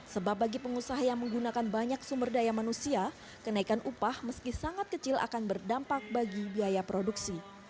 sebab bagi pengusaha yang menggunakan banyak sumber daya manusia kenaikan upah meski sangat kecil akan berdampak bagi biaya produksi